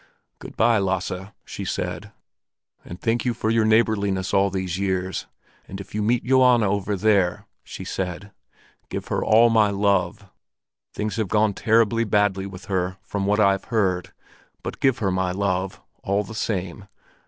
'Good bye, Lasse,' she said, 'and thank you for your neighborliness all these years. And if you meet Johanna over there,' she said, 'give her my love. Things have gone terribly badly with her, from what I've heard; but give her my love, all the same.